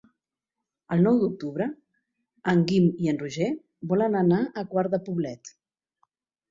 El nou d'octubre en Guim i en Roger volen anar a Quart de Poblet.